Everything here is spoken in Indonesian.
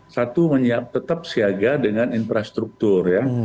satu tetap siaga dengan infrastruktur ya